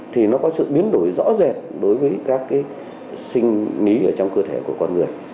thì nó có sự biến đổi rõ rệt đối với các sinh lý trong cơ thể của con người